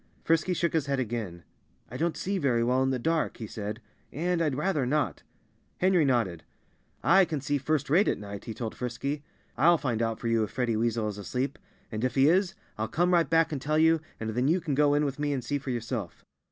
Frisky shook his head again. "I don't see very well in the dark," he said, "and I'd rather not." Henry nodded. "I can see first rate at night," he told Frisky. "I'll find out for you if Freddie Weasel is asleep. And if he is, I'll come right back and tell you, and then you can go in with me and see for yourself."